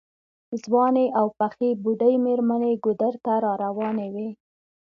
ځوانې او پخې بوډۍ مېرمنې ګودر ته راروانې وې.